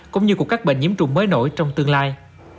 cũng như của các bệnh nhiễm trùng mới nổi trong tương lai